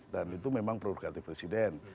dan itu memang prurigatif presiden